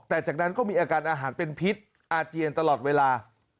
แต่จากนั้นก็มีอาการอาหารเป็นพิษอาเจียนตลอดเวลา